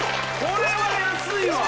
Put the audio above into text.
これは安いわ！